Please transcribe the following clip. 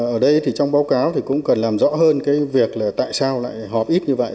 ở đây trong báo cáo cũng cần làm rõ hơn việc tại sao họp ít như vậy